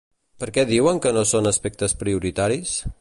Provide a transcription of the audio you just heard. Per què diuen que no són aspectes prioritaris?